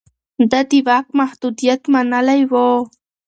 ده د واک محدوديت منلی و.